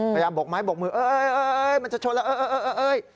พยายามบกไม้บกมือเอ๊ยมันจะชนแล้วเอ๊ย